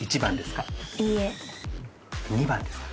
２番ですか？